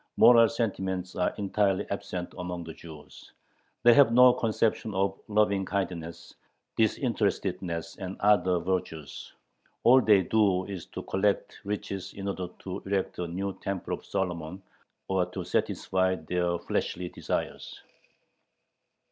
Moral sentiments are entirely absent among Jews: "they have no conception of lovingkindness, disinterestedness, and other virtues." All they do is "to collect riches in order to erect a new temple of Solomon or [to satisfy] their fleshly desires."